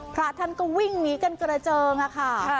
พระท่านก็วิ่งหนีกันกระเจิงค่ะ